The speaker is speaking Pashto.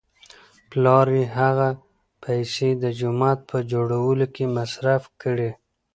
پلار یې هغه پیسې د جومات په جوړولو کې مصرف کړې.